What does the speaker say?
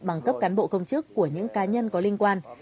bằng cấp cán bộ công chức của những cá nhân có liên quan